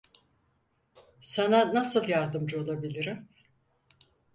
Sana nasıl yardımcı olabilirim?